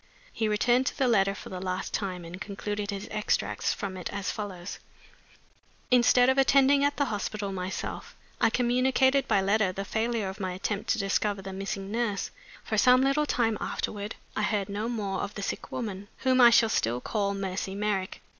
He returned to the letter for the last time, and concluded his extracts from it as follows: "'Instead of attending at the hospital myself, I communicated by letter the failure of my attempt to discover the missing nurse. For some little time afterward I heard no more of the sick woman, whom I shall still call Mercy Merrick.